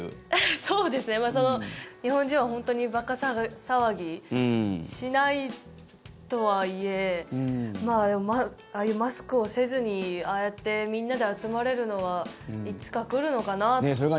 そうですね、日本人は本当に馬鹿騒ぎしないとはいえああいう、マスクをせずにああやってみんなで集まれるのはいつか来るのかなっていうのは。